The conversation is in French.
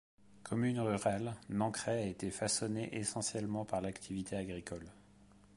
Commune rurale, Nancray a été façonnée essentiellement par l'activité agricole.